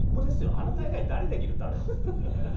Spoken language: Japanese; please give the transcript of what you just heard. あなた以外誰できるってあれ。